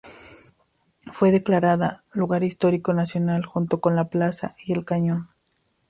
Fue declarada Lugar Histórico Nacional junto con la plaza y el cañón.